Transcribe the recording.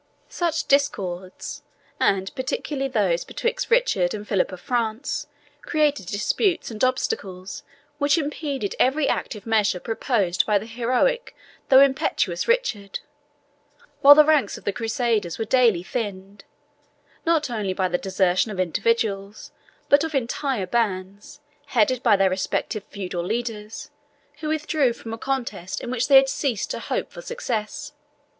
Such discords, and particularly those betwixt Richard and Philip of France, created disputes and obstacles which impeded every active measure proposed by the heroic though impetuous Richard, while the ranks of the Crusaders were daily thinned, not only by the desertion of individuals, but of entire bands, headed by their respective feudal leaders, who withdrew from a contest in which they had ceased to hope for success.